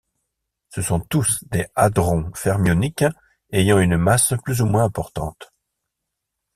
Ce sont tous des hadrons fermioniques ayant une masse plus ou moins importante.